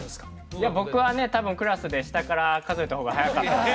いや僕はね多分クラスで下から数えた方が早かったです